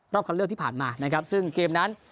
คันเลือกที่ผ่านมานะครับซึ่งเกมนั้น